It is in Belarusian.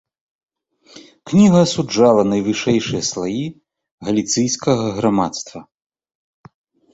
Кніга асуджала найвышэйшыя слаі галіцыйскага грамадства.